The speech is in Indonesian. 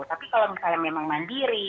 tapi kalau misalnya memang mandiri